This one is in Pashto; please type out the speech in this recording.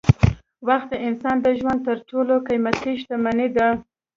وخت د انسان د ژوند تر ټولو قېمتي شتمني ده.